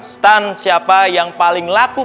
stun siapa yang paling laku